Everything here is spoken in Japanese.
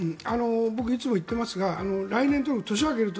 僕、いつも言っていますが来年、年が明けると